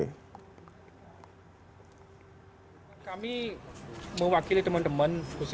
kami mewakili teman teman